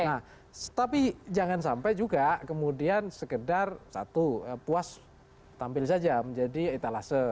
nah tapi jangan sampai juga kemudian sekedar satu puas tampil saja menjadi etalase